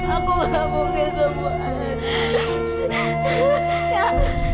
aku gak mungkin sembuh an